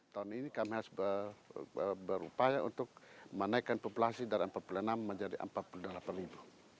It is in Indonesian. tahun ini kami harus berupaya untuk menaikkan populasi dari empat puluh enam menjadi empat puluh delapan ribu